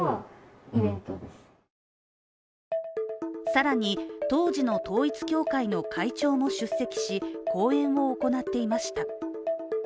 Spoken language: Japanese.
更に、当時の統一教会の会長も出席し、講演を行っていました。